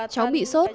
cháu bị sốt